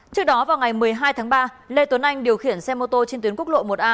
trước đó vào ngày một mươi hai tháng ba lê tuấn anh điều khiển xe mô tô trên tuyến quốc lộ một a